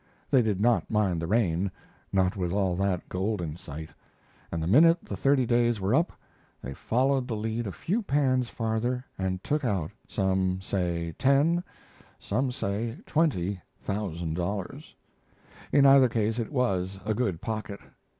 They did not mind the rain not with all that gold in sight and the minute the thirty days were up they followed the lead a few pans farther and took out some say ten, some say twenty, thousand dollars. In either case it was a good pocket.